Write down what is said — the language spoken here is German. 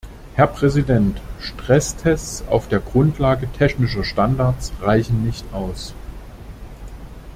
Herr Präsident! Stresstests auf der Grundlage technischer Standards reichen nicht aus.